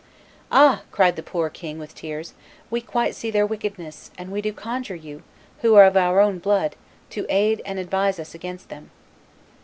"Ah!" cried the poor king with tears, "we quite see their wickedness, and we do conjure you, who are of our own blood, to aid and advise us against them."